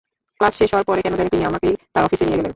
Class শেষ হওয়ার পরে কেন জানি তিনি আমাকেই তাঁর অফিসে নিয়ে গেলেন।